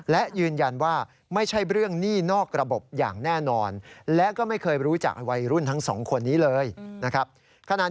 และยืนยันว่าไม่ใช่เรื่องหนี้นอกระบบอย่างแน่นอน